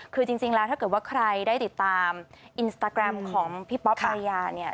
คือจริงแล้วถ้าเกิดว่าใครได้ติดตามอินสตาแกรมของพี่ป๊อปภรรยาเนี่ย